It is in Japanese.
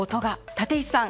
立石さん